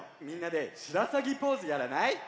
みんなでしらさぎポーズやらない？